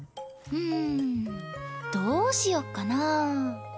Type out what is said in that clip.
うんどうしよっかなぁ。